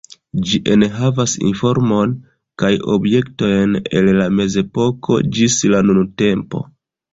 Ĝi enhavas informon kaj objektojn el la Mezepoko ĝis la nuntempo.